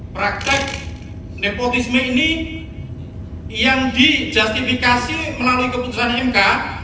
praktek nepotisme ini yang dijustifikasi melalui keputusan mk